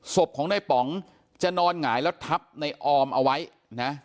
ศพของในป๋องจะนอนหงายแล้วทับในออมเอาไว้นะ